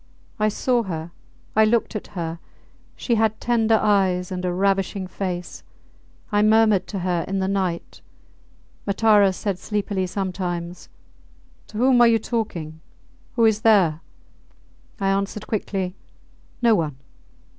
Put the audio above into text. I saw her! I looked at her! She had tender eyes and a ravishing face. I murmured to her in the night. Matara said sleepily sometimes, To whom are you talking? Who is there? I answered quickly, No one ...